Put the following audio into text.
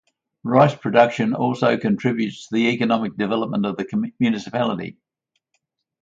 Rice production also contributes to the economic development of the municipality.